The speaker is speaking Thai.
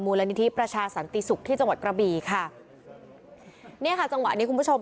ละนิธิประชาสันติศุกร์ที่จังหวัดกระบี่ค่ะเนี่ยค่ะจังหวะนี้คุณผู้ชม